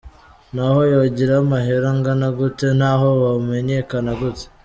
"N'aho yogira amahera angana gute, n'aho womenyekana gute.